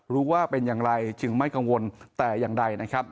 ว่าเป็นอย่างไรจึงไม่กังวลแต่อย่างใดนะครับ